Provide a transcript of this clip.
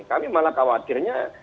kami malah khawatirnya